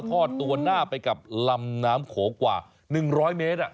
ทอดตัวหน้าไปกับลำน้ำโขงกว่า๑๐๐เมตร